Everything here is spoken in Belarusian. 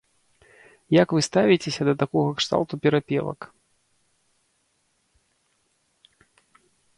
Як вы ставіцеся да такога кшталту перапевак?